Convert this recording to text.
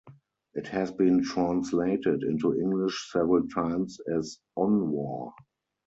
It has been translated into English several times as On War.